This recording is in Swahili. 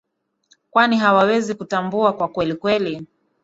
kwani hawawezi kutambua kwa kweli kweli